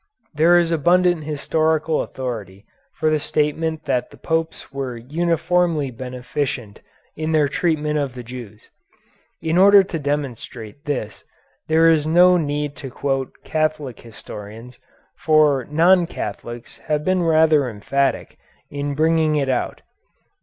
There is abundant historical authority for the statement that the Popes were uniformly beneficent in their treatment of the Jews. In order to demonstrate this there is no need to quote Catholic historians, for non Catholics have been rather emphatic in bringing it out.